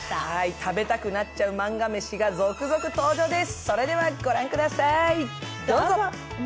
食べたくなっちゃうマンガ飯が続々登場です。